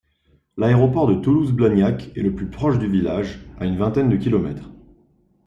L'aéroport de Toulouse-Blagnac est le plus proche du village, à une vingtaine de kilomètres.